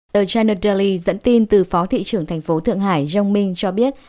tờ china daily dẫn tin từ phó thị trưởng thành phố thượng hải zhong ming cho biết